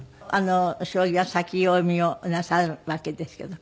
将棋は先読みをなさる訳ですけど。